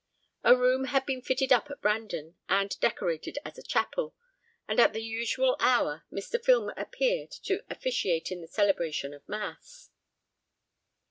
A room had been fitted up at Brandon, and decorated as a chapel; and at the usual hour, Mr. Filmer appeared, to officiate in the celebration of mass.